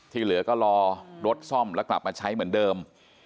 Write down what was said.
เหลือก็รอรถซ่อมแล้วกลับมาใช้เหมือนเดิม